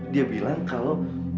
dia bilang kalau